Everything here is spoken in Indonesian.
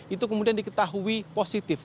itu kemudian diketahui positif